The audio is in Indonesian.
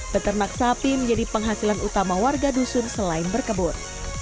beternak sapi menjadi penghasilan utama warga dusun selain berkebun